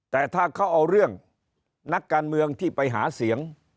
แต่ถ้าเขาเอาเรื่องนักการเมืองที่ไปหาเสียง